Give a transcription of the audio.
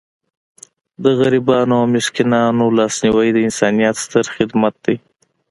د غریبانو او مسکینانو لاسنیوی د انسانیت ستر خدمت دی.